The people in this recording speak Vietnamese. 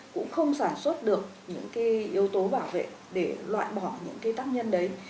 cũng không sản xuất được những yếu tố bảo vệ để loại bỏ những tác nhân đấy